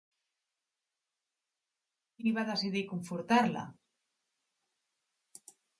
Qui va decidir confortar-la?